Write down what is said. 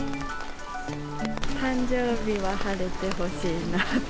誕生日は晴れてほしいなって。